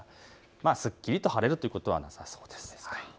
すっきりと晴れるということはなさそうです。